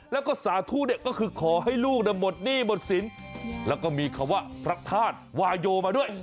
แล้วก็สาธุเนี่ยก็คือขอให้ลูกหมดหนี้หมดสินแล้วก็มีคำว่าพระธาตุวายโยมาด้วย